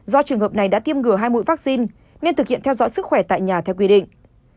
do trường hợp này đã tiêm ngừa hai mũi vaccine nên thực hiện theo dõi sức khỏe tại nhà theo quy định